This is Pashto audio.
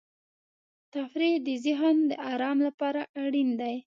تفریح د ذهن د آرام لپاره اړین دی.